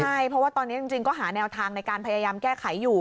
ใช่เพราะว่าตอนนี้จริงก็หาแนวทางในการพยายามแก้ไขอยู่